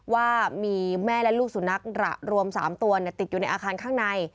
ว่ามีแม่และลูกสุนัขรวม๓ตัวติดอยู่ในอาคารข้างใน